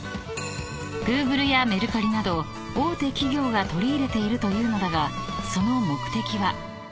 ［Ｇｏｏｇｌｅやメルカリなど大手企業が取り入れているというのだがその目的は？］